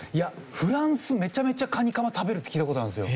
フランスめちゃめちゃカニカマ食べるって聞いた事あるんですよ。